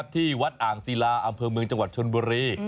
ที่วัดอ่างศิลาอำเภอเมืองจังหวัดชนบุรี